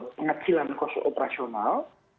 pengacilan kos operasional